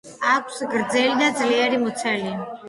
აქვს გრძელი და ძლიერი მუცელი.